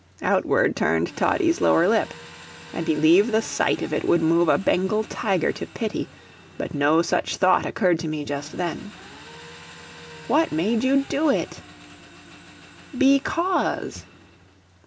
Outward turned Toddie's lower lip; I believe the sight of it would move a Bengal tiger to pity, but no such thought occurred to me just then. "What made you do it?" "BE cause."